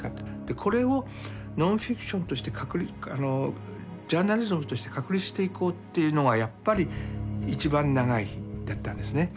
これをノンフィクションとしてジャーナリズムとして確立していこうというのがやっぱり「いちばん長い日」だったんですね。